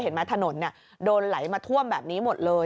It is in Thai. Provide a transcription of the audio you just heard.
เห็นมั้ยถนนเนี่ยโดนไหลมาท่วมแบบนี้หมดเลย